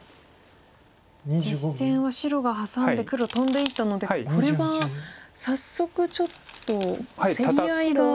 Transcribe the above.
実戦は白がハサんで黒トンでいったのでこれは早速ちょっと競り合いが。